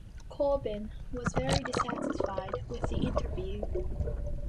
Corben was very dissatisfied with the interview.